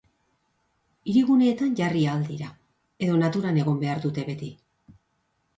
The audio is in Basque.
Hiriguneetan jarri ahal dira, edo naturan egon behar dute beti?